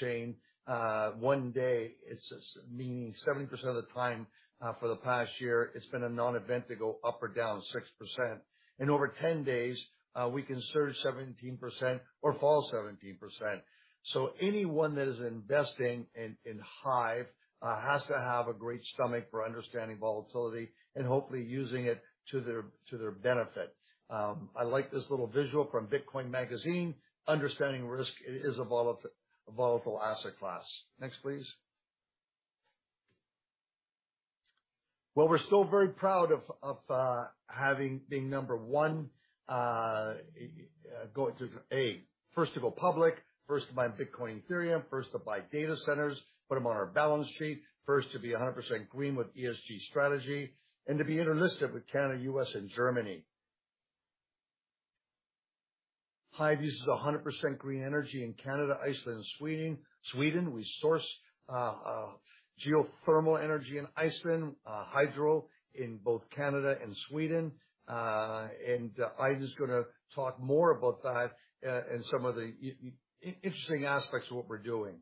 Change, one day, it's meaning 70% of the time, for the past year, it's been a non-event to go up or down 6%. Over 10 days, we can surge 17% or fall 17%. Anyone that is investing in HIVE has to have a great stomach for understanding volatility and hopefully using it to their benefit. I like this little visual from Bitcoin Magazine. Understanding risk, it is a volatile asset class. Next, please. Well, we're still very proud of having been number one, first to go public, first to buy Bitcoin, Ethereum, first to buy data centers, put them on our balance sheet, first to be 100% green with ESG strategy, and to be inter-listed with Canada, U.S., and Germany. HIVE uses 100% green energy in Canada, Iceland, and Sweden. We source geothermal energy in Iceland, hydro in both Canada and Sweden. Aydin is gonna talk more about that, and some of the interesting aspects of what we're doing.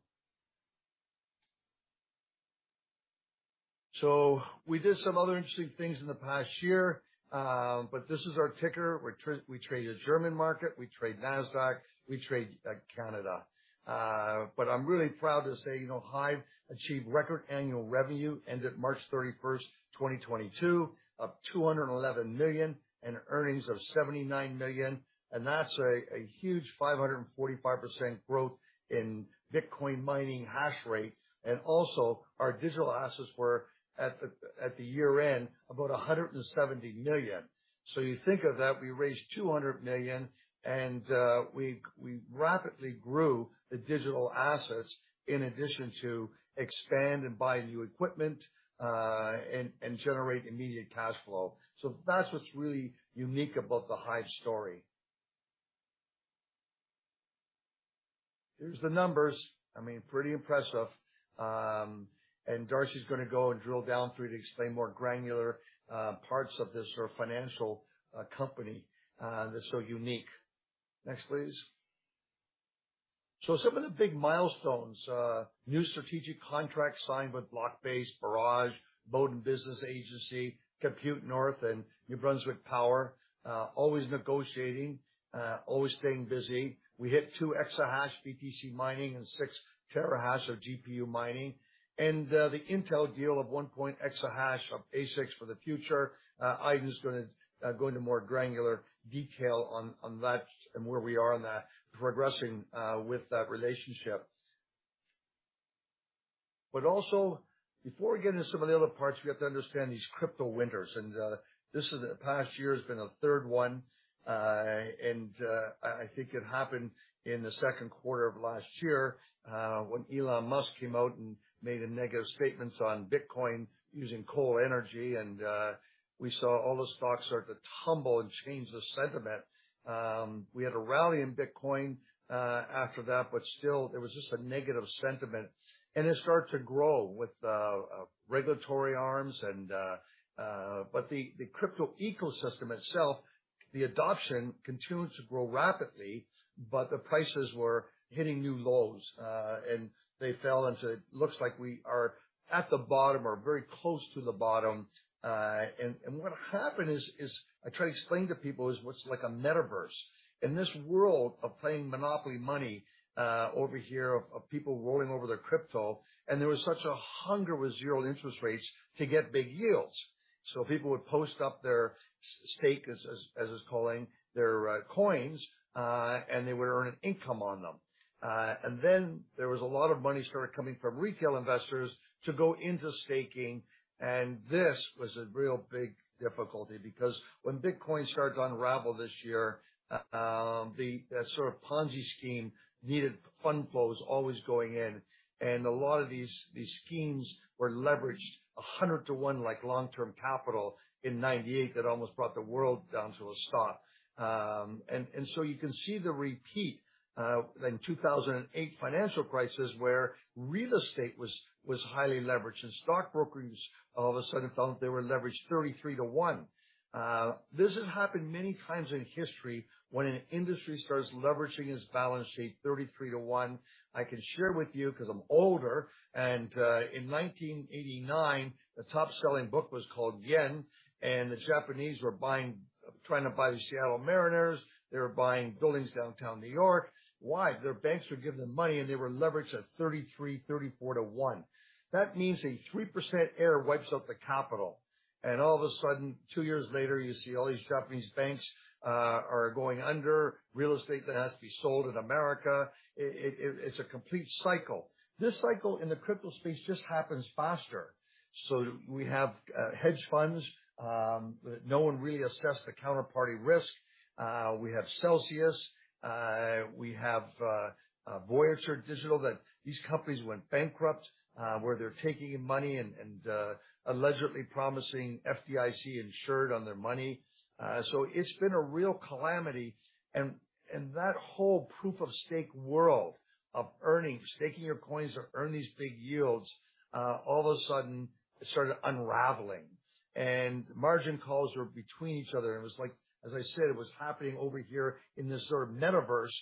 We did some other interesting things in the past year, but this is our ticker. We trade at German market, we trade Nasdaq, we trade at Canada. I'm really proud to say, you know, HIVE achieved record annual revenue, ended March 31st, 2022, of 211 million and earnings of 79 million. That's a huge 545% growth in Bitcoin mining hash rate. Also our digital assets were at the year-end about 170 million. You think of that, we raised 200 million, and we rapidly grew the digital assets in addition to expand and buy new equipment, and generate immediate cash flow. That's what's really unique about the HIVE story. Here's the numbers. I mean, pretty impressive. Darcy's gonna go and drill down through to explain more granular parts of this sort of financial company that's so unique. Next, please. Some of the big milestones, new strategic contracts signed with Blockbase, Barrage d.o.o., Boden Business Agency, Compute North, and New Brunswick Power. Always negotiating, always staying busy. We hit two exahash BTC mining and six terahash of GPU mining. The Intel deal of one exahash of ASICs for the future. Aydin's gonna go into more granular detail on that and where we are on that, progressing with that relationship. Also, before we get into some of the other parts, we have to understand these crypto winters. The past year has been a third one. I think it happened in the second quarter of last year, when Elon Musk came out and made negative statements on Bitcoin using coal energy. We saw all the stocks start to tumble and change the sentiment. We had a rally in Bitcoin after that, but still there was just a negative sentiment. It started to grow with regulatory arms and. The crypto ecosystem itself, the adoption continues to grow rapidly, but the prices were hitting new lows, and they fell into it looks like we are at the bottom or very close to the bottom. What happened is I try to explain to people is what's like a metaverse. In this world of playing Monopoly money over here of people rolling over their crypto, and there was such a hunger with zero interest rates to get big yields. People would post up their stake, as it's called, their coins, and they would earn an income on them. There was a lot of money started coming from retail investors to go into staking, and this was a real big difficulty because when Bitcoin started to unravel this year, that sort of Ponzi scheme needed fund flows always going in. A lot of these schemes were leveraged 100 to one, like Long-Term Capital Management in 1998 that almost brought the world down to a stop. You can see the repeat of the 2008 financial crisis where real estate was highly leveraged, and stockbrokers all of a sudden found they were leveraged 33 to one. This has happened many times in history when an industry starts leveraging its balance sheet 33 to one. I can share with you because I'm older, and in 1989, a top-selling book was called Yen, and the Japanese were trying to buy the Seattle Mariners. They were buying buildings downtown New York. Why? Their banks were giving them money, and they were leveraged at 33, 34 to one. That means a 3% error wipes out the capital. All of a sudden, two years later, you see all these Japanese banks are going under, real estate that has to be sold in America. It's a complete cycle. This cycle in the crypto space just happens faster. We have hedge funds. No one really assessed the counterparty risk. We have Celsius. We have Voyager Digital, that these companies went bankrupt, where they're taking money and allegedly promising FDIC insured on their money. It's been a real calamity. That whole proof-of-stake world of earning, staking your coins to earn these big yields all of a sudden started unraveling. Margin calls were between each other. It was like, as I said, it was happening over here in this sort of metaverse,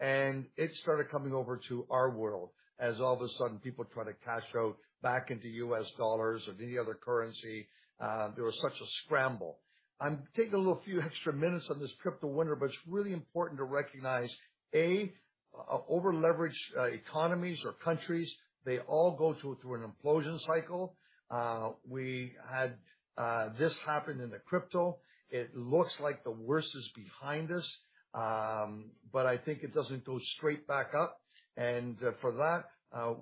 and it started coming over to our world as all of a sudden people tried to cash out back into US dollars or any other currency. There was such a scramble. I'm taking a few extra minutes on this crypto winter, but it's really important to recognize overleveraged economies or countries. They all go through an implosion cycle. We had this happen in the crypto. It looks like the worst is behind us, but I think it doesn't go straight back up. For that,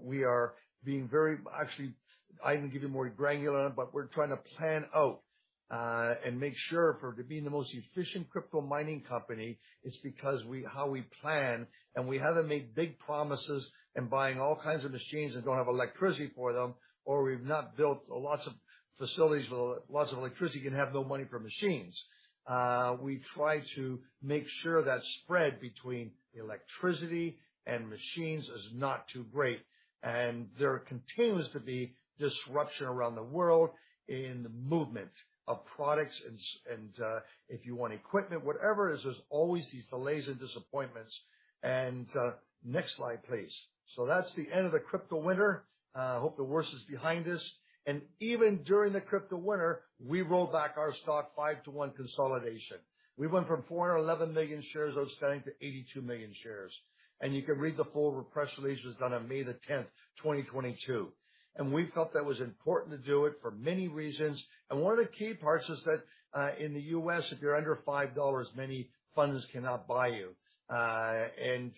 we are being very— Actually, I can give you more granular, but we're trying to plan out and make sure to being the most efficient crypto mining company is because how we plan, and we haven't made big promises in buying all kinds of machines that don't have electricity for them, or we've not built lots of facilities with lots of electricity, can have no money for machines. We try to make sure that spread between electricity and machines is not too great. There continues to be disruption around the world in the movement of products and, if you want equipment, whatever, there's always these delays and disappointments. Next slide, please. That's the end of the crypto winter. Hope the worst is behind us. Even during the crypto winter, we rolled back our stock five-to-one consolidation. We went from 411 million shares outstanding to 82 million shares. You can read the full press release. It was done on May 10, 2022. We felt that was important to do it for many reasons. One of the key parts is that, in the U.S., if you're under $5, many funds cannot buy you. And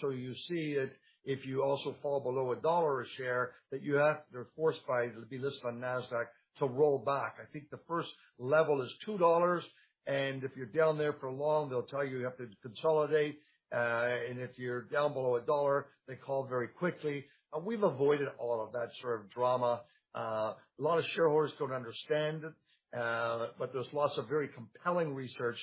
so you see it, if you also fall below $1 a share, you're forced by to be listed on Nasdaq to roll back. I think the first level is $2, and if you're down there for long, they'll tell you have to consolidate. And if you're down below $1, they call very quickly. We've avoided all of that sort of drama. A lot of shareholders don't understand, but there's lots of very compelling research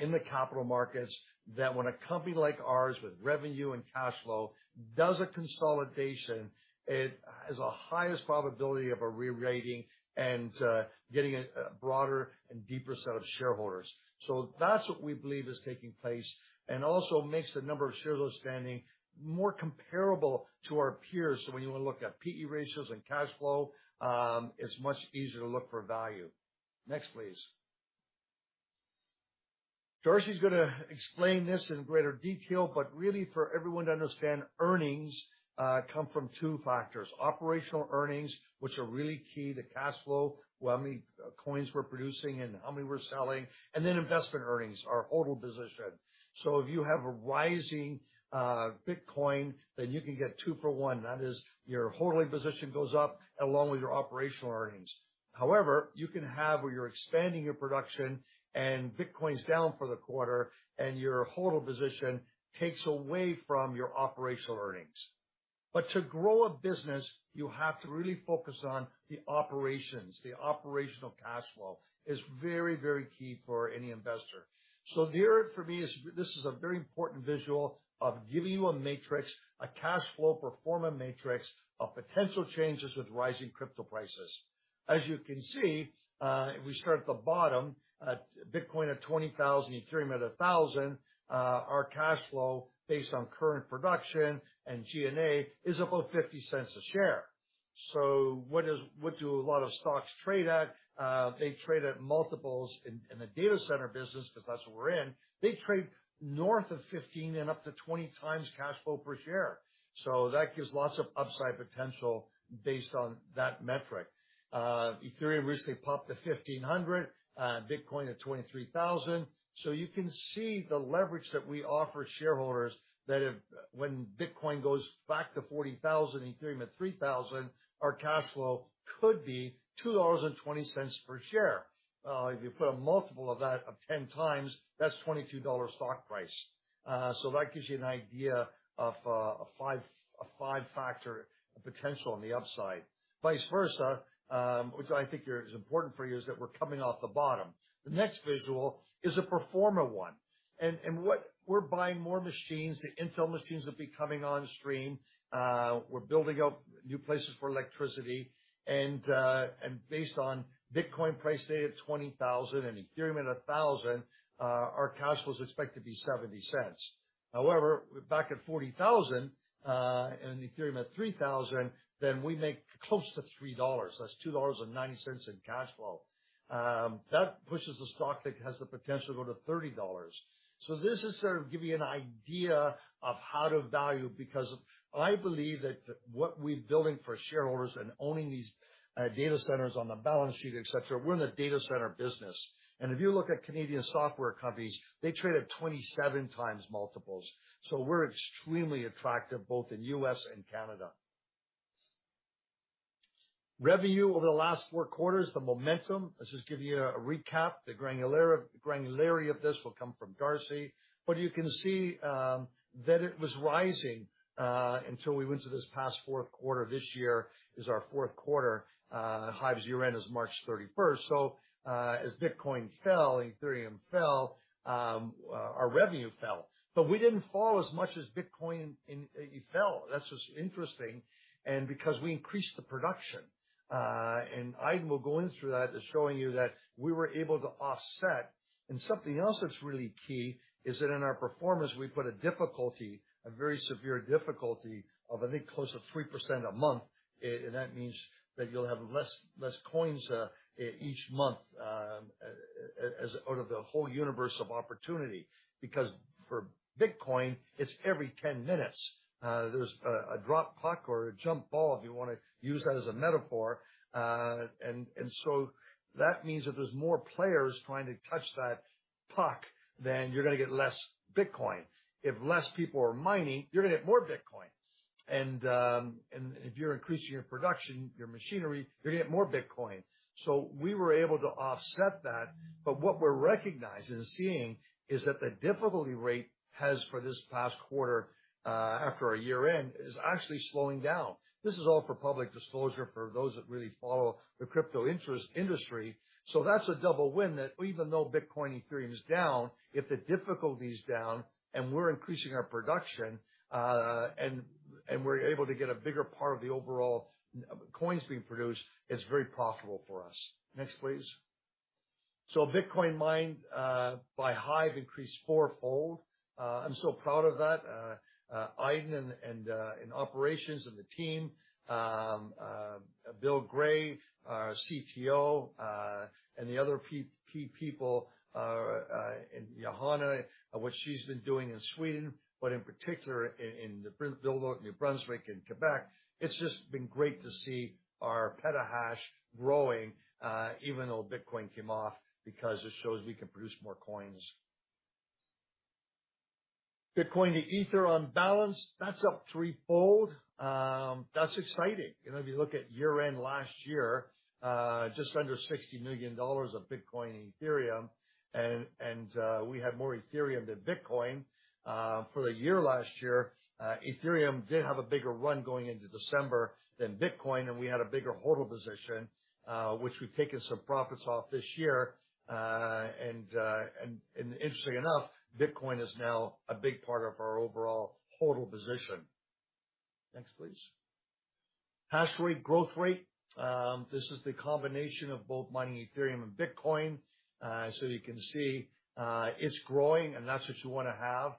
in the capital markets that when a company like ours with revenue and cash flow does a consolidation, it has the highest probability of a rerating and getting a broader and deeper set of shareholders. That's what we believe is taking place and also makes the number of shares outstanding more comparable to our peers. When you wanna look at P/E ratios and cash flow, it's much easier to look for value. Next, please. Darcy's gonna explain this in greater detail, but really for everyone to understand, earnings come from two factors. Operational earnings, which are really key to cash flow, how many coins we're producing and how many we're selling, and then investment earnings, our total position. If you have a rising Bitcoin, then you can get two for one. That is, your holding position goes up along with your operational earnings. However, you can have where you're expanding your production and Bitcoin's down for the quarter and your hold position takes away from your operational earnings. To grow a business, you have to really focus on the operations. The operational cash flow is very, very key for any investor. There, for me, this is a very important visual of giving you a matrix, a cash flow performer matrix of potential changes with rising crypto prices. As you can see, if we start at the bottom at Bitcoin at 20,000, Ethereum at 1,000, our cash flow based on current production and G&A is about 0.50 per share. What do a lot of stocks trade at? They trade at multiples in the data center business, 'cause that's what we're in. They trade north of 15x and up to 20x cash flow per share. That gives lots of upside potential based on that metric. Ethereum recently popped to $1,500, Bitcoin at $23,000. You can see the leverage that we offer shareholders that when Bitcoin goes back to $40,000, Ethereum at $3,000, our cash flow could be $2.20 per share. If you put a multiple of that of 10x, that's $22 stock price. That gives you an idea of a five-factor potential on the upside. Vice versa, which I think here is important for you, is that we're coming off the bottom. The next visual is a pro forma one. We're buying more machines. The Intel machines will be coming on stream. We're building up new places for electricity. Based on Bitcoin price today at $20,000 and Ethereum at $1,000, our cash flow is expected to be $0.70. However, back at $40,000, and Ethereum at $3,000, then we make close to $3. That's $2.90 in cash flow. That pushes the stock that has the potential to go to $30. This is sort of give you an idea of how to value, because I believe that what we're building for shareholders and owning these data centers on the balance sheet, et cetera, we're in the data center business. If you look at Canadian software companies, they trade at 27x multiples. We're extremely attractive both in U.S. and Canada. Revenue over the last four quarters, the momentum. Let's just give you a recap. The granularity of this will come from Darcy. You can see that it was rising until we went to this past fourth quarter. This year is our fourth quarter. HIVE's year-end is March 31st. As Bitcoin fell, Ethereum fell, our revenue fell. We didn't fall as much as Bitcoin. It fell. That's just interesting. Because we increased the production, and Aydin will go in through that, is showing you that we were able to offset. Something else that's really key is that in our performance, we put a difficulty, a very severe difficulty of, I think, close to 3% a month. That means that you'll have less coins each month as out of the whole universe of opportunity. Because for Bitcoin, it's every 10 minutes. There's a drop of the puck or a jump ball if you wanna use that as a metaphor. That means that there's more players trying to touch that puck than you're gonna get less Bitcoin. If less people are mining, you're gonna get more Bitcoin. If you're increasing your production, your machinery, you're gonna get more Bitcoin. We were able to offset that. What we're recognizing and seeing is that the difficulty rate has, for this past quarter, after our year-end, is actually slowing down. This is all for public disclosure for those that really follow the crypto investment industry. That's a double win that even though Bitcoin, Ethereum is down, if the difficulty is down and we're increasing our production, and we're able to get a bigger part of the overall coins being produced, it's very profitable for us. Next, please. Bitcoin mined by HIVE increased fourfold. I'm so proud of that. Aydin and the operations team, George Stylli, our CTO, and the other people, and Johanna, what she's been doing in Sweden, but in particular in Boden, New Brunswick and Quebec. It's just been great to see our petahash growing, even though Bitcoin came off, because it shows we can produce more coins. Bitcoin to Ethereum on balance, that's up threefold. That's exciting. You know, if you look at year-end last year, just under $60 million of Bitcoin and Ethereum, and we had more Ethereum than Bitcoin, for the year last year. Ethereum did have a bigger run going into December than Bitcoin, and we had a bigger HODL position, which we've taken some profits off this year. Interestingly enough, Bitcoin is now a big part of our overall HODL position. Next, please. Hashrate, growth rate. This is the combination of both mining Ethereum and Bitcoin. So you can see, it's growing, and that's what you wanna have.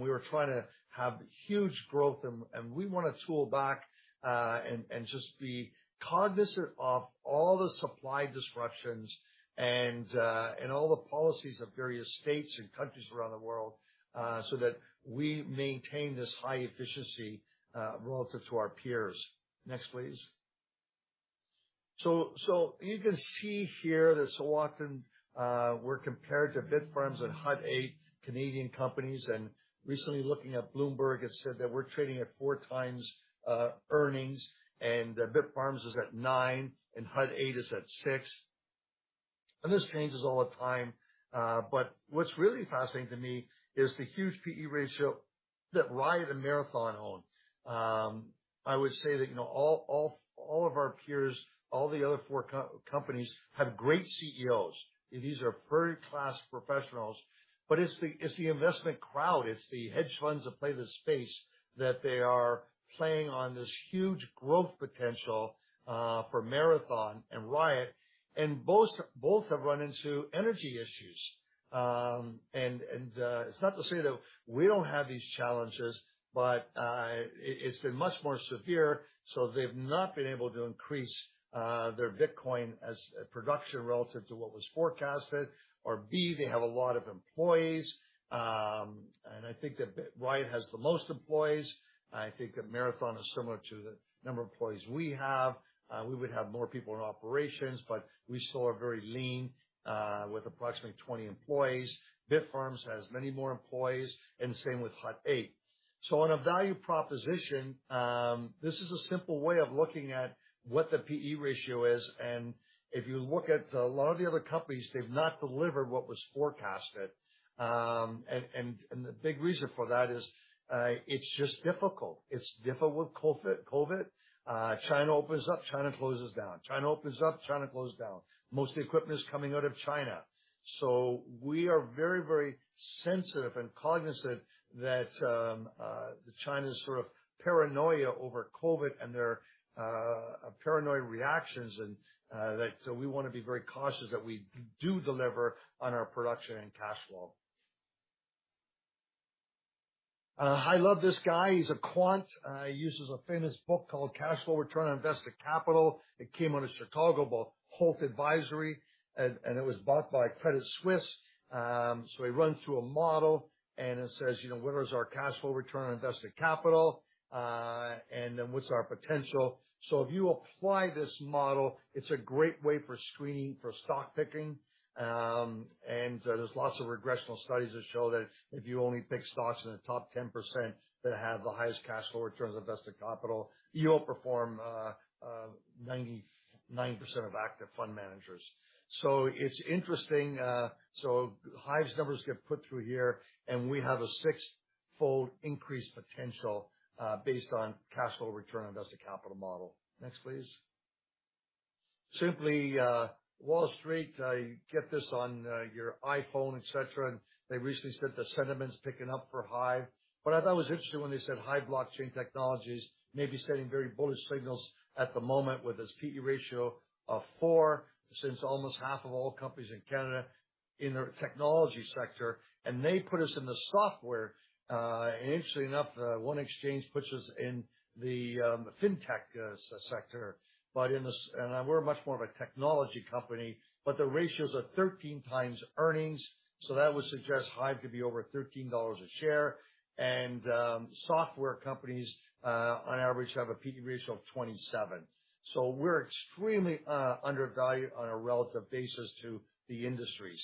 We were trying to have huge growth and we want to pull back and just be cognizant of all the supply disruptions and all the policies of various states and countries around the world so that we maintain this high efficiency relative to our peers. Next, please. You can see here that so often we're compared to Bitfarms and Hut 8 Canadian companies, and recently looking at Bloomberg, it said that we're trading at 4x earnings, and Bitfarms is at nine, and Hut 8 is at six. This changes all the time, but what's really fascinating to me is the huge P/E ratio that Riot and Marathon own. I would say that, you know, all of our peers, all the other four companies have great CEOs. These are first-class professionals, but it's the investment crowd, it's the hedge funds that play this space, that they are playing on this huge growth potential for Marathon and Riot, and both have run into energy issues. It's not to say that we don't have these challenges, but it's been much more severe, so they've not been able to increase their Bitcoin hash production relative to what was forecasted. Or B, they have a lot of employees, and I think that Riot has the most employees. I think that Marathon is similar to the number of employees we have. We would have more people in operations, but we still are very lean with approximately 20 employees. Bitfarms has many more employees, and same with Hut 8. On a value proposition, this is a simple way of looking at what the P/E ratio is, and if you look at a lot of the other companies, they've not delivered what was forecasted. The big reason for that is, it's just difficult. It's difficult with COVID. China opens up, China closes down. Most of the equipment is coming out of China. We are very, very sensitive and cognizant that, China's sort of paranoia over COVID and their, paranoid reactions and, that so we wanna be very cautious that we do deliver on our production and cash flow. I love this guy. He's a quant, uses a famous book called Cash Flow Return on Invested Capital. It came out of Chicago, about HOLT, and it was bought by Credit Suisse. He runs through a model, and it says, you know, where is our Cash Flow Return on Invested Capital, and then what's our potential? If you apply this model, it's a great way for screening, for stock picking, and there's lots of regression studies that show that if you only pick stocks in the top 10% that have the highest Cash Flow Returns on Invested Capital, you'll perform 99% of active fund managers. It's interesting. HIVE's numbers get put through here, and we have a six-fold increase potential, based on Cash Flow Return on Invested Capital model. Next, please. Simply Wall St, you get this on your iPhone, et cetera, and they recently said the sentiment's picking up for HIVE. What I thought was interesting when they said HIVE Blockchain Technologies may be sending very bullish signals at the moment with its P/E ratio of four since almost half of all companies in Canada in the technology sector, and they put us in the software. Interestingly enough, one exchange puts us in the fintech sector, but we're much more of a technology company, but the ratios are 13 x earnings, so that would suggest HIVE to be over $13 a share. Software companies on average have a P/E ratio of 27. We're extremely undervalued on a relative basis to the industries.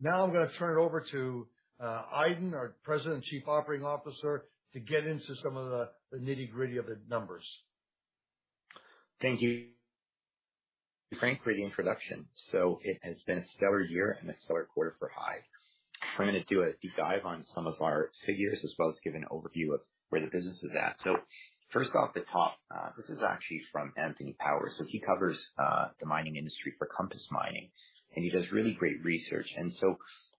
Now I'm gonna turn it over to Aydin, our President and Chief Executive Officer, to get into some of the nitty-gritty of the numbers. Thank you, Frank, for the introduction. It has been a stellar year and a stellar quarter for HIVE. I'm gonna do a deep dive on some of our figures, as well as give an overview of where the business is at. First off the top, this is actually from Anthony Power. He covers the mining industry for Compass Mining, and he does really great research.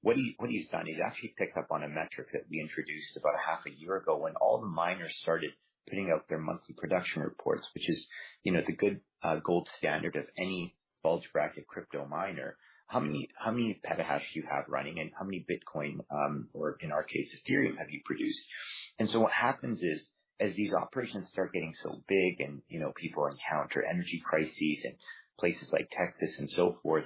What he's done is actually picked up on a metric that we introduced about half a year ago when all the miners started putting out their monthly production reports. Which is, you know, the gold standard of any bulge bracket crypto miner. How many petahash do you have running and how many Bitcoin, or in our case, Ethereum, have you produced? What happens is, as these operations start getting so big and, you know, people encounter energy crises in places like Texas and so forth,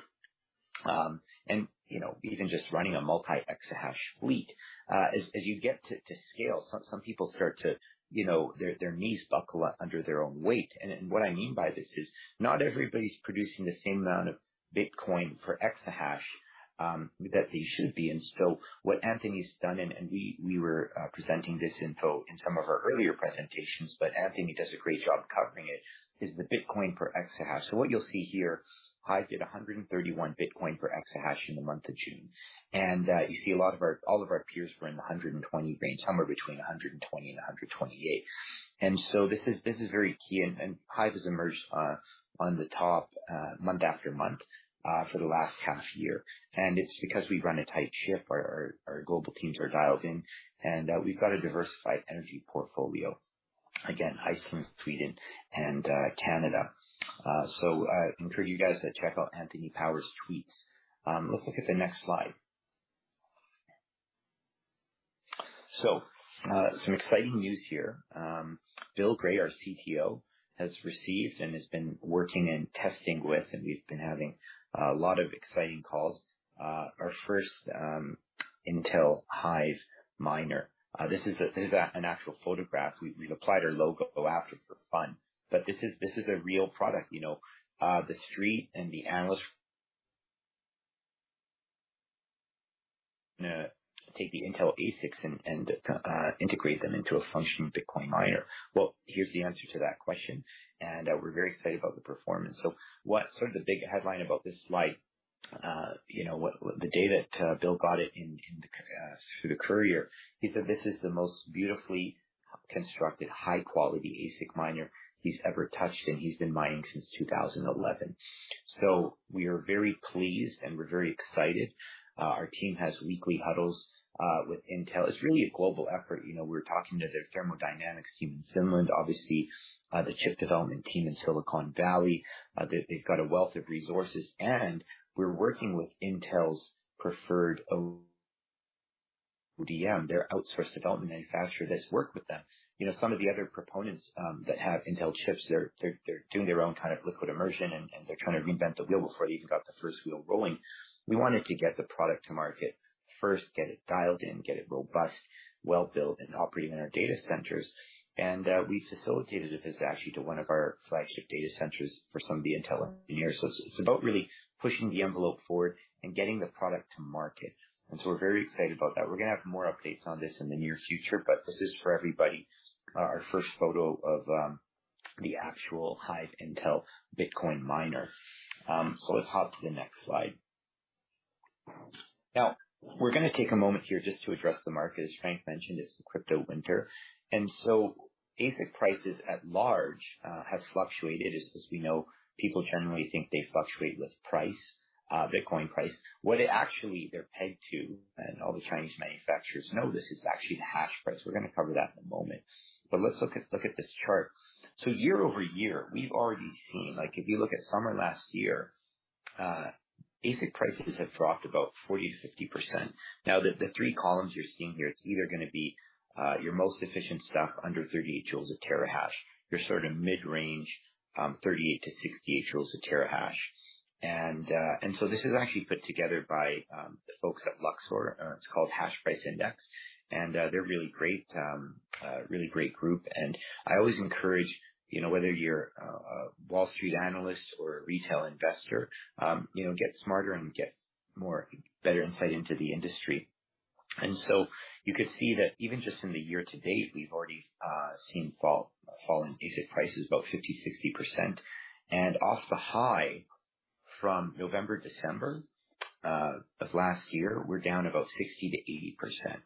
and, you know, even just running a multi-exahash fleet. As you get to scale, some people start to, you know, their knees buckle under their own weight. What I mean by this is not everybody's producing the same amount of Bitcoin for exahash that they should be. What Anthony's done, and we were presenting this info in some of our earlier presentations, but Anthony does a great job covering it, is the Bitcoin per exahash. What you'll see here, Hive did 131 Bitcoin per exahash in the month of June. You see a lot of our peers were in the 120 range, somewhere between 120 and 128. This is very key, and HIVE has emerged on top month after month for the last half year. It's because we run a tight ship. Our global teams are dialed in, and we've got a diversified energy portfolio. Again, HIVE's from Sweden and Canada. I encourage you guys to check out Anthony Power's tweets. Let's look at the next slide. Some exciting news here. George Stylli, our CTO, has received and has been working and testing with, and we've been having a lot of exciting calls, our first Intel HIVE miner. This is an actual photograph. We've applied our logo after for fun. This is a real product, you know. The street and the analysts take the Intel ASICs and integrate them into a functioning Bitcoin miner. Well, here's the answer to that question, and we're very excited about the performance. The big headline about this slide the day that George Stylli got it in through the courier, he said, "This is the most beautifully constructed, high quality ASIC miner he's ever touched, and he's been mining since 2011." We are very pleased, and we're very excited. Our team has weekly huddles with Intel. It's really a global effort. You know, we're talking to their thermodynamics team in Finland, obviously, the chip development team in Silicon Valley. They've got a wealth of resources, and we're working with Intel's preferred ODM, their outsourced development manufacturer that's worked with them. You know, some of the other proponents that have Intel chips, they're doing their own kind of liquid immersion, and they're trying to reinvent the wheel before they even got the first wheel rolling. We wanted to get the product to market. First, get it dialed in, get it robust, well-built, and operating in our data centers. We facilitated a visit actually to one of our flagship data centers for some of the Intel engineers. It's about really pushing the envelope forward and getting the product to market. We're very excited about that. We're gonna have more updates on this in the near future, but this is for everybody, our first photo of the actual HIVE Intel Bitcoin miner. Let's hop to the next slide. Now, we're gonna take a moment here just to address the market. As Frank mentioned, it's a crypto winter. ASIC prices at large have fluctuated. As we know, people generally think they fluctuate with price, Bitcoin price. What it actually they're pegged to, and all the Chinese manufacturers know this, it's actually the hash price. We're gonna cover that in a moment. Let's look at this chart. Year-over-year, we've already seen. Like, if you look at summer last year, ASIC prices have dropped about 40%-50%. Now, the three columns you're seeing here, it's either gonna be your most efficient stuff under 30 joules per terahash. Your sort of mid-range, 38 to 60 joules per terahash. This is actually put together by the folks at Luxor. It's called Hashprice Index, and they're really great, really great group. I always encourage, you know, whether you're a Wall Street analyst or a retail investor, you know, get smarter and get more, better insight into the industry. You could see that even just in the year-to-date, we've already seen fall in ASIC prices about 50-60%. Off the high from November, December of last year, we're down about 60%-80%,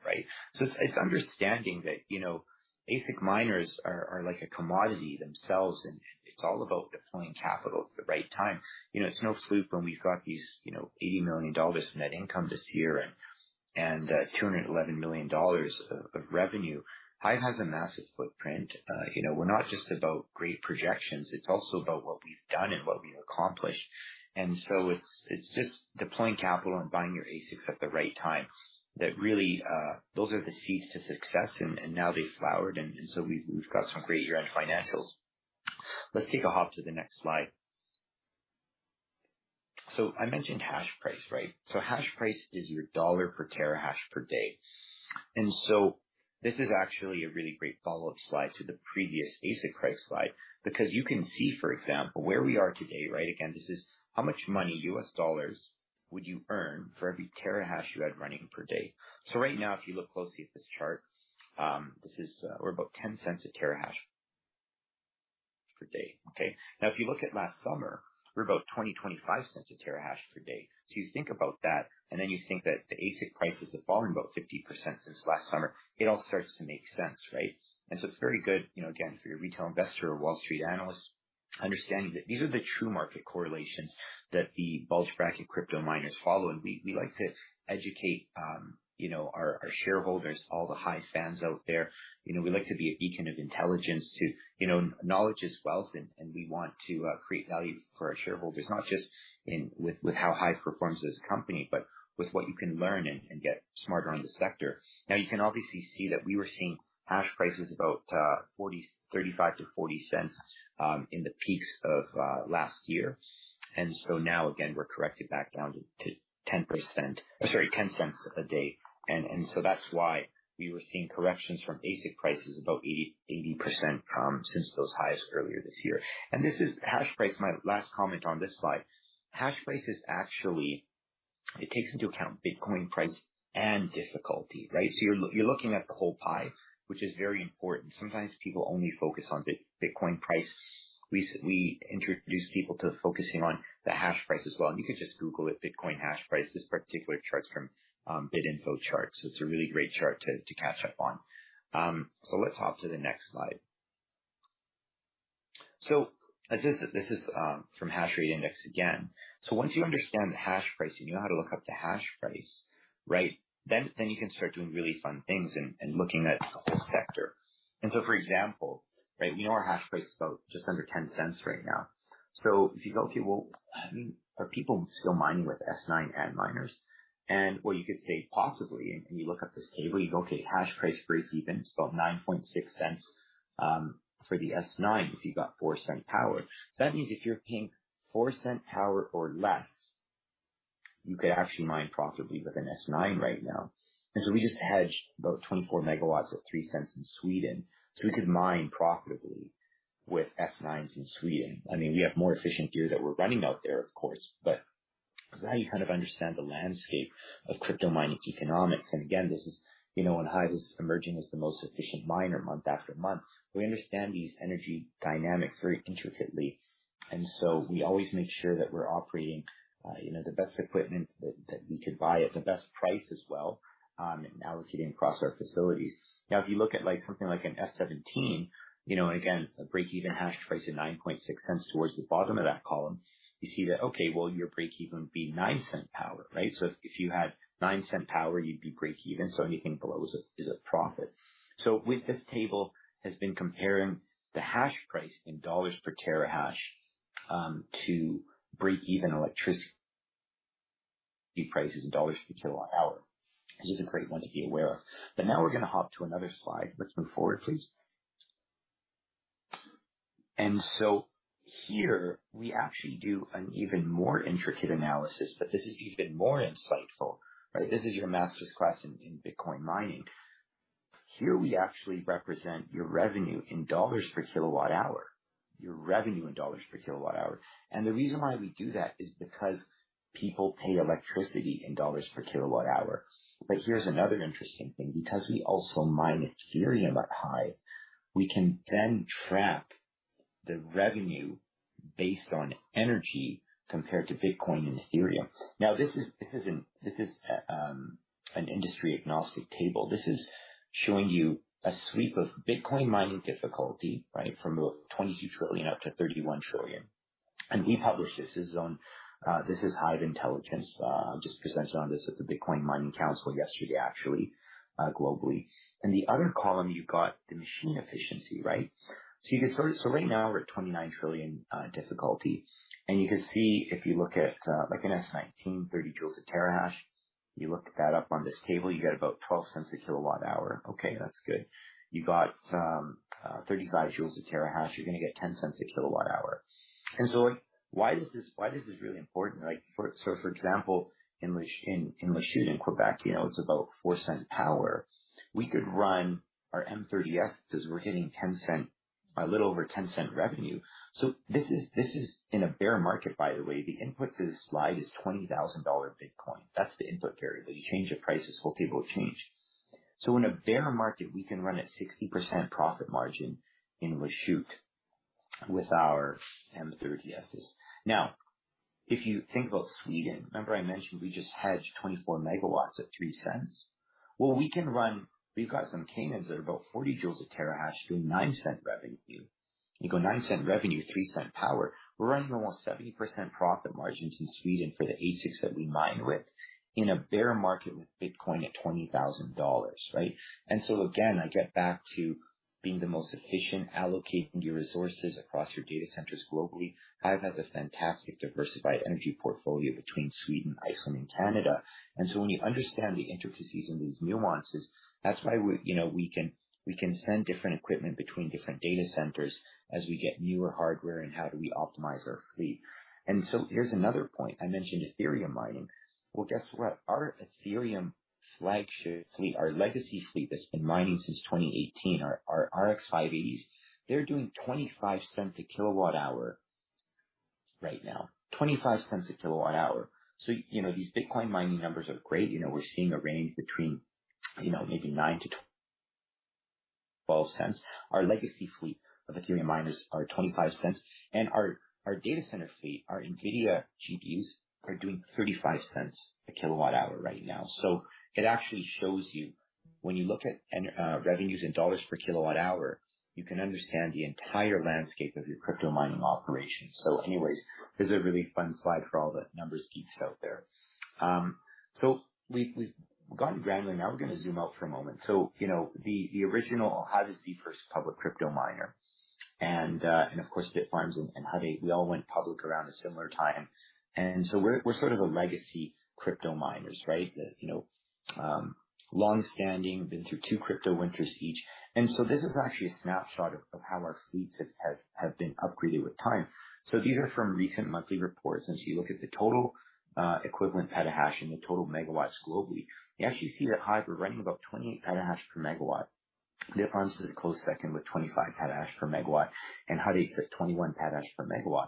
right? It's understanding that, you know, ASIC miners are like a commodity themselves, and it's all about deploying capital at the right time. You know, it's no fluke when we've got these, you know, CAD 80 million net income this year and two hundred and eleven million dollars of revenue. HIVE has a massive footprint. You know, we're not just about great projections, it's also about what we've done and what we've accomplished. It's just deploying capital and buying your ASICs at the right time that really those are the seeds to success, and now they've flowered, and so we've got some great year-end financials. Let's take a hop to the next slide. I mentioned hash price, right? Hash price is the dollar per terahash per day. This is actually a really great follow-up slide to the previous ASIC price slide, because you can see, for example, where we are today, right? Again, this is how much money, US dollars, would you earn for every terahash you had running per day. Right now, if you look closely at this chart, we're about $0.10 per terahash per day. Okay? Now, if you look at last summer, we're about $0.20-$0.25 per terahash per day. You think about that, and then you think that the ASIC prices have fallen about 50% since last summer. It all starts to make sense, right? It's very good, you know, again, if you're a retail investor or Wall Street analyst, understanding that these are the true market correlations that the bulge bracket crypto miners follow. We like to educate, you know, our shareholders, all the HIVE fans out there. You know, we like to be a beacon of intelligence to. You know, knowledge is wealth, and we want to create value for our shareholders, not just in with how HIVE performs as a company, but with what you can learn and get smarter on the sector. Now, you can obviously see that we were seeing hash prices about 35-40 cents in the peaks of last year. Now again, we're corrected back down to 10%. Sorry, ten cents a day. That's why we were seeing corrections from ASIC prices about 80% since those highs earlier this year. This is hash price. My last comment on this slide. Hash price is actually it takes into account Bitcoin price and difficulty, right? You're looking at the whole pie, which is very important. Sometimes people only focus on Bitcoin price. We introduce people to focusing on the hash price as well, and you can just Google it, Bitcoin hash price. This particular chart's from BitInfoCharts. It's a really great chart to catch up on. Let's hop to the next slide. This is from Hashrate Index again. Once you understand the hash price and you know how to look up the hash price, right, then you can start doing really fun things and looking at this sector. For example, right, we know our hash price is about just under $0.10 right now. If you go, "Okay, well, I mean, are people still mining with Antminer S9s?" Well you could say possibly, and you look up this table, you go, "Okay, hash price breakeven is about $0.096 for the Antminer S9 if you've got $0.04 power." That means if you're paying $0.04 power or less, you could actually mine profitably with an Antminer S9 right now. We just hedged about 24 MW at $0.03 in Sweden, so we could mine profitably with Antminer S9s in Sweden. I mean, we have more efficient gear that we're running out there of course, but. 'Cause now you kind of understand the landscape of crypto mining economics. Again, this is, you know, and HIVE is emerging as the most efficient miner month after month. We understand these energy dynamics very intricately, and so we always make sure that we're operating, you know, the best equipment that we can buy at the best price as well, and allocating across our facilities. Now if you look at like something like an S17, you know, and again a breakeven hash price of $0.096 towards the bottom of that column, you see that, okay, well your breakeven would be nine-cent power, right? So if you had 9-cent power you'd be breakeven, so anything below is a profit. This table has been comparing the hash price in dollars per terahash to breakeven electricity prices in dollars per kilowatt hour, which is a great one to be aware of. Now we're gonna hop to another slide. Let's move forward please. Here we actually do an even more intricate analysis, but this is even more insightful, right? This is your master's class in Bitcoin mining. Here we actually represent your revenue in dollars per kilowatt hour. The reason why we do that is because people pay for electricity in dollars per kilowatt hour. Here's another interesting thing, because we also mine Ethereum at HIVE, we can then track the revenue based on energy compared to Bitcoin and Ethereum. This is an industry-agnostic table. This is showing you a sweep of Bitcoin mining difficulty, right? From about 22 trillion up to 31 trillion. We published this. This is on HIVE Intelligence. Just presented on this at the Bitcoin Mining Council yesterday actually, globally. In the other column you've got the machine efficiency, right? Right now we're at 29 trillion difficulty. You can see if you look at like an S19, 30 joules per terahash. You look that up on this table, you get about 0.12/kWh. Okay, that's good. You got 35 joules per terahash, you're gonna get 0.10/kWh. Like, why is this, why this is really important, like, so for example, in Lachute in Quebec, you know, it's about 0.04/kWh. We could run our M30S because we're hitting $0.10, a little over $0.10 revenue. This is in a bear market by the way. The input to this slide is $20,000 Bitcoin. That's the input variable. You change the prices, this whole table will change. In a bear market we can run at 60% profit margin in Lachute with our M30Ss. Now, if you think about Sweden, remember I mentioned we just hedged 24 MW at $0.03? Well we can run. We've got some Canaan that are about 40 joules a terahash doing $0.09 revenue. You go $0.09 revenue, $0.03 power, we're running almost 70% profit margins in Sweden for the ASICs that we mine with in a bear market with Bitcoin at $20,000, right? Again, I get back to being the most efficient, allocating your resources across your data centers globally. Hive has a fantastic diversified energy portfolio between Sweden, Iceland and Canada. When you understand the intricacies and these nuances, that's why we, you know, we can send different equipment between different data centers as we get newer hardware and how do we optimize our fleet. Here's another point. I mentioned Ethereum mining. Well guess what? Our Ethereum flagship fleet, our legacy fleet that's been mining since 2018, our RX580s, they're doing 0.25/kWh. Right now, 0.25/kWh. So, you know, these Bitcoin mining numbers are great. You know, we're seeing a range between, you know, maybe 0.09-0.12. Our legacy fleet of Ethereum miners are 0.25. Our data center fleet, our NVIDIA GPUs are doing 0.35/kWh right now. It actually shows you when you look at revenues in dollars per kilowatt hour, you can understand the entire landscape of your crypto mining operation. Anyways, this is a really fun slide for all the numbers geeks out there. We've gone granular. Now we're gonna zoom out for a moment. You know, the original HIVE is the first public crypto miner and of course, Bitfarms and Hut 8, we all went public around a similar time. We're sort of a legacy crypto miners, right? They, you know, long-standing, been through two crypto winters each. This is actually a snapshot of how our fleets have been upgraded with time. These are from recent monthly reports. As you look at the total equivalent Petahash and the total megawatts globally, you actually see that HIVE, we're running about 20 PH/MW. Bitfarms is a close second with 25 PH/MW, and Hut 8's at 21PH/MW.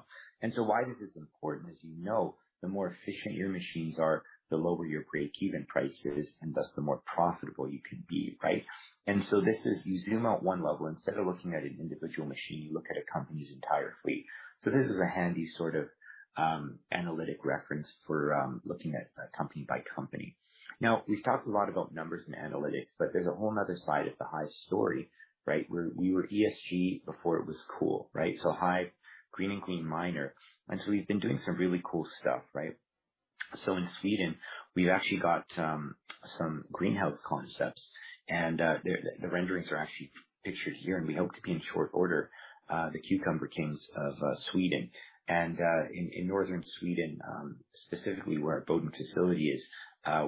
Why this is important, as you know, the more efficient your machines are, the lower your breakeven price is, and thus the more profitable you could be, right? This is you zoom out one level. Instead of looking at an individual machine, you look at a company's entire fleet. This is a handy sort of analytic reference for looking at company by company. Now, we've talked a lot about numbers and analytics, but there's a whole nother side of the HIVE story, right? Where we were ESG before it was cool, right? HIVE, green and clean miner, and so we've been doing some really cool stuff, right? In Sweden, we've actually got some greenhouse concepts and the renderings are actually pictured here, and we hope to be in short order the Cucumber Kings of Sweden. In northern Sweden, specifically where our Boden facility is,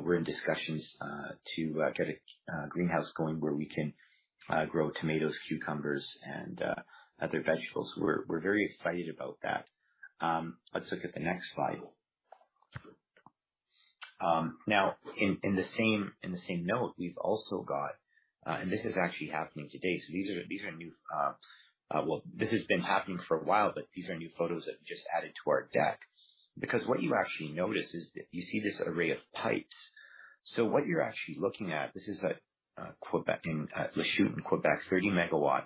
we're in discussions to get a greenhouse going where we can grow tomatoes, cucumbers, and other vegetables. We're very excited about that. Let's look at the next slide. Now in the same note, we've also got, and this is actually happening today. These are new, well, this has been happening for a while, but these are new photos that we've just added to our deck. Because what you actually notice is you see this array of pipes. What you're actually looking at, this is at Lachute in Quebec, 30 MW.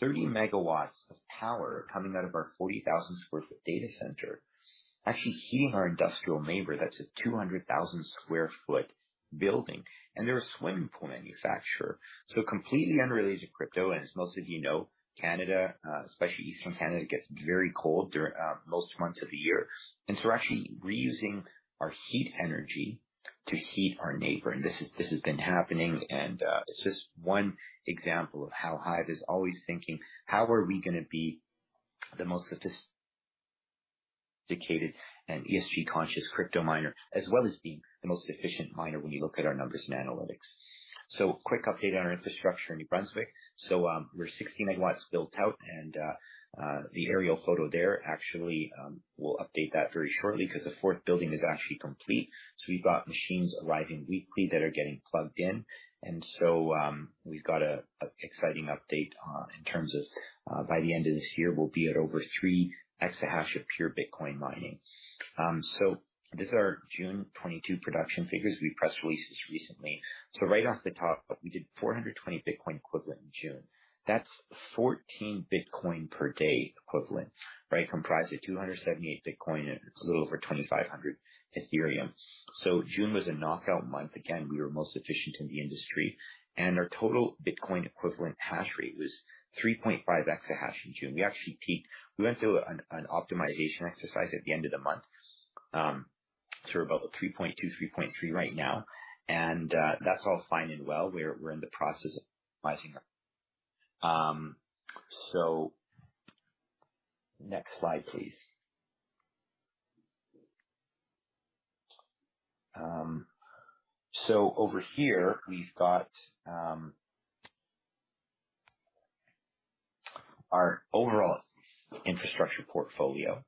30 MW of power coming out of our 40,000 sq ft data center, actually heating our industrial neighbor. That's a 200,000 sq ft building, and they're a swimming pool manufacturer. Completely unrelated to crypto, and as most of you know, Canada, especially Eastern Canada, it gets very cold during most months of the year. We're actually reusing our heat energy to heat our neighbor. This has been happening and it's just one example of how HIVE is always thinking, "How are we gonna be the most sophisticated and ESG conscious crypto miner, as well as being the most efficient miner when you look at our numbers and analytics?" Quick update on our infrastructure in New Brunswick. We're 60 MW built out and the aerial photo there actually we'll update that very shortly 'cause the fourth building is actually complete. We've got machines arriving weekly that are getting plugged in. We've got an exciting update in terms of by the end of this year we'll be at over 3 EH of pure Bitcoin mining. This is our June 2022 production figures. We press released this recently. Right off the top, we did 420 Bitcoin equivalent in June. That's 14 Bitcoin per day equivalent, right? Comprised of 278 Bitcoin and it's a little over 2,500 Ethereum. June was a knockout month. Again, we were most efficient in the industry, and our total Bitcoin equivalent hash rate was 3.5 EH in June. We actually peaked. We went through an optimization exercise at the end of the month, so we're about 3.2, 3.3 right now. That's all fine and well. We're in the process of rising up. Next slide, please. Over here we've got our overall infrastructure portfolio.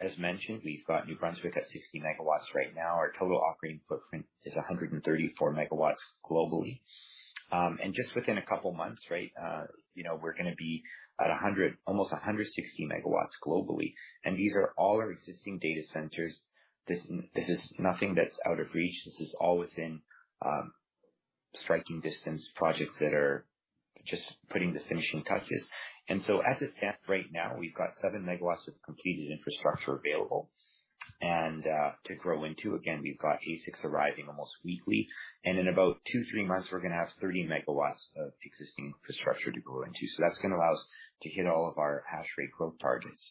As mentioned, we've got New Brunswick at 60 MW right now. Our total operating footprint is 134 MW globally. Just within a couple months, right, you know, we're gonna be at 100, almost 160 MW globally. These are all our existing data centers. This is nothing that's out of reach. This is all within striking distance projects that are just putting the finishing touches. As it stands right now, we've got 7 MW of completed infrastructure available and to grow into. Again, we've got ASICs arriving almost weekly, and in about two, three months we're gonna have 30 MW of existing infrastructure to grow into. That's gonna allow us to hit all of our hash rate growth targets.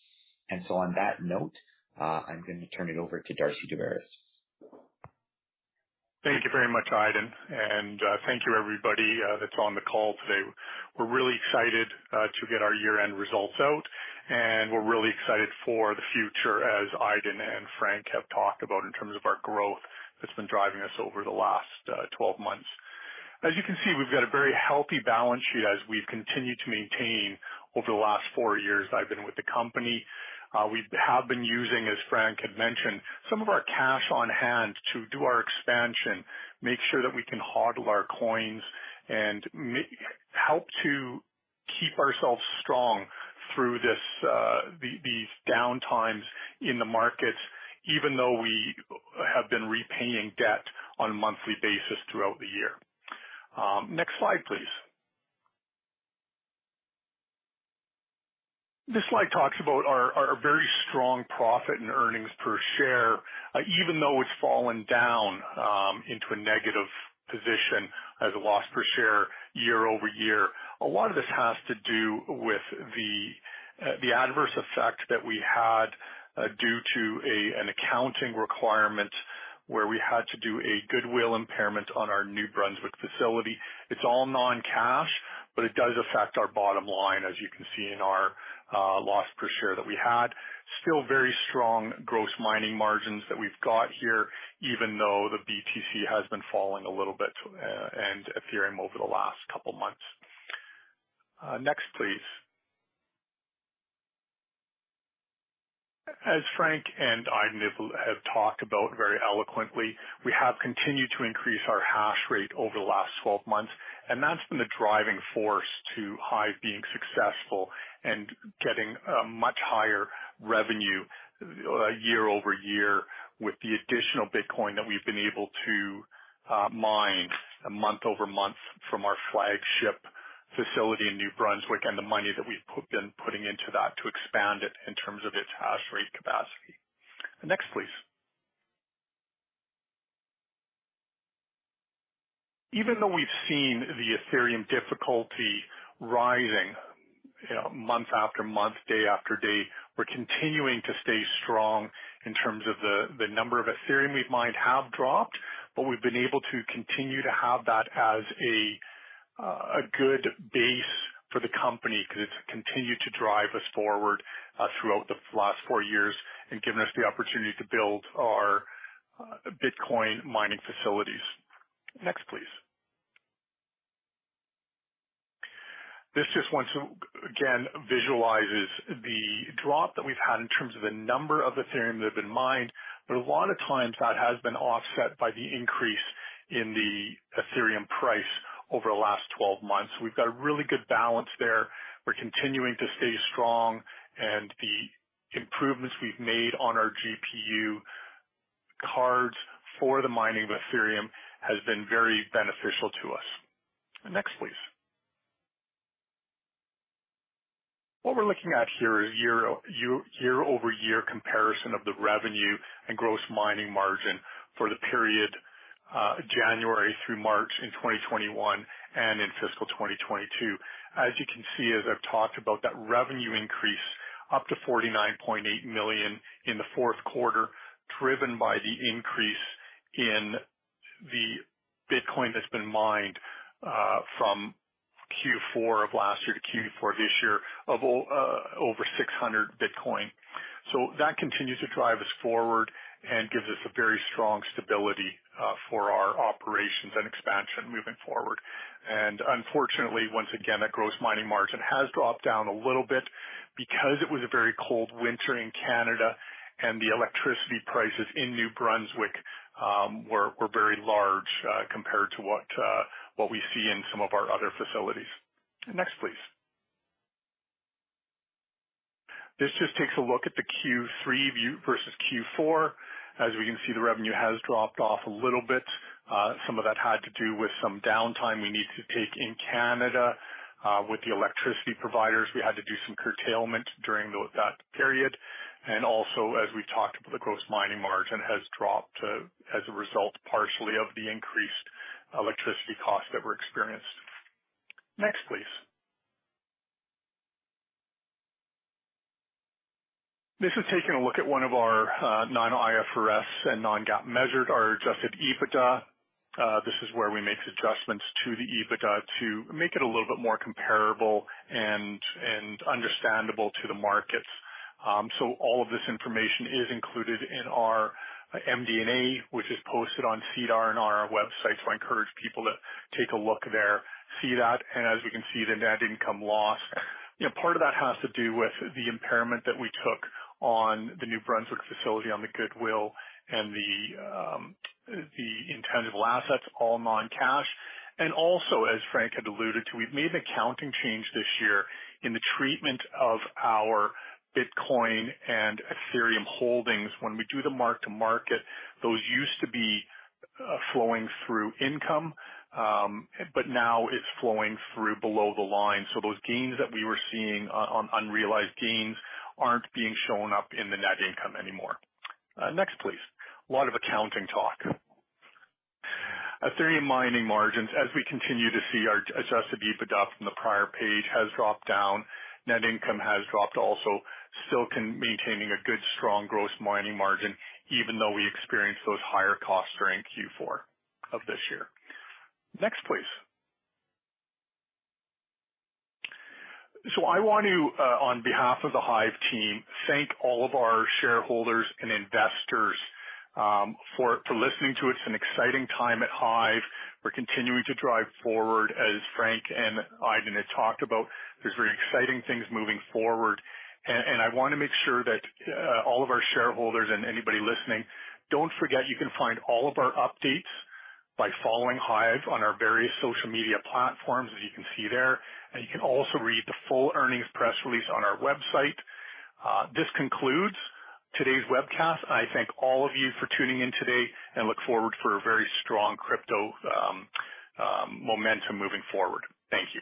On that note, I'm gonna turn it over to Darcy Daubaras. Thank you very much, Aydin. Thank you everybody, that's on the call today. We're really excited to get our year-end results out, and we're really excited for the future, as Aydin and Frank have talked about in terms of our growth that's been driving us over the last 12 months. As you can see, we've got a very healthy balance sheet as we've continued to maintain over the last four years I've been with the company. We have been using, as Frank had mentioned, some of our cash on hand to do our expansion, make sure that we can HODL our coins and help to keep ourselves strong through this, these down times in the markets, even though we have been repaying debt on a monthly basis throughout the year. Next slide, please. This slide talks about our very strong profit and earnings per share, even though it's fallen down into a negative position as a loss per share year-over-year. A lot of this has to do with the adverse effect that we had due to an accounting requirement where we had to do a goodwill impairment on our New Brunswick facility. It's all non-cash, but it does affect our bottom line, as you can see in our loss per share that we had. Still very strong gross mining margins that we've got here, even though the BTC has been falling a little bit and Ethereum over the last couple of months. Next, please. As Frank and Aydin have talked about very eloquently, we have continued to increase our hash rate over the last 12 months, and that's been the driving force to HIVE being successful and getting a much higher revenue year-over-year with the additional Bitcoin that we've been able to mine month-over-month from our flagship facility in New Brunswick and the money that we've been putting into that to expand it in terms of its hash rate capacity. Next, please. Even though we've seen the Ethereum difficulty rising, you know, month after month, day after day, we're continuing to stay strong in terms of the number of Ethereum we've mined have dropped, but we've been able to continue to have that as a good base for the company because it's continued to drive us forward throughout the last four years and given us the opportunity to build our Bitcoin mining facilities. Next, please. This just once again visualizes the drop that we've had in terms of the numbers of Ethereum that have been mined, but a lot of times that has been offset by the increase in the Ethereum price over the last 12 months. We've got a really good balance there. We're continuing to stay strong, and the improvements we've made on our GPU cards for the mining of Ethereum has been very beneficial to us. Next, please. What we're looking at here is year-over-year comparison of the revenue and gross mining margin for the period, January through March in 2021 and in fiscal 2022. As you can see, as I've talked about that revenue increase up to 49.8 million in the fourth quarter, driven by the increase in the Bitcoin that's been mined, from Q4 of last year to Q4 this year of over 600 Bitcoin. So that continues to drive us forward and gives us a very strong stability, for our operations and expansion moving forward. Unfortunately, once again, that gross mining margin has dropped down a little bit because it was a very cold winter in Canada and the electricity prices in New Brunswick were very large compared to what we see in some of our other facilities. Next, please. This just takes a look at the Q3 view versus Q4. As we can see, the revenue has dropped off a little bit. Some of that had to do with some downtime we need to take in Canada with the electricity providers. We had to do some curtailment during that period. Also, as we talked, the gross mining margin has dropped as a result, partially of the increased electricity costs that were experienced. Next, please. This is taking a look at one of our non-IFRS and non-GAAP measured, our adjusted EBITDA. This is where we make adjustments to the EBITDA to make it a little bit more comparable and understandable to the markets. All of this information is included in our MD&A, which is posted on SEDAR and on our website. I encourage people to take a look there, see that, and as we can see, the net income loss. You know, part of that has to do with the impairment that we took on the New Brunswick facility on the goodwill and the intangible assets, all non-cash. Also, as Frank had alluded to, we've made an accounting change this year in the treatment of our Bitcoin and Ethereum holdings. When we do the mark-to-market, those used to be flowing through income, but now it's flowing through below the line. Those gains that we were seeing on unrealized gains aren't being shown up in the net income anymore. Next please. A lot of accounting talk. Ethereum mining margins, as we continue to see our adjusted EBITDA from the prior page has dropped down. Net income has dropped also. Still maintaining a good strong gross mining margin even though we experienced those higher costs during Q4 of this year. Next, please. I want to, on behalf of the HIVE team, thank all of our shareholders and investors, for listening to us. An exciting time at HIVE. We're continuing to drive forward. As Frank and Aydin had talked about, there's very exciting things moving forward. I wanna make sure that all of our shareholders and anybody listening, don't forget, you can find all of our updates by following HIVE on our various social media platforms, as you can see there. You can also read the full earnings press release on our website. This concludes today's webcast. I thank all of you for tuning in today and look forward for a very strong crypto momentum moving forward. Thank you.